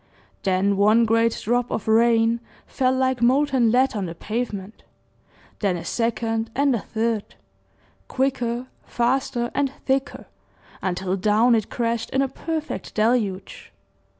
Then one great drop of rain fell like molten lead on the pavement, then a second and a third quicker, faster, and thicker, until down it crashed in a perfect deluge.